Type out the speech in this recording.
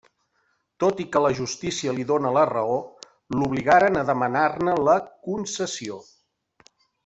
Tot i que la justícia li donà la raó, l'obligaren a demanar-ne la concessió.